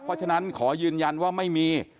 เพราะฉะนั้นขอยืนยันว่าไม่มี